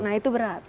nah itu berat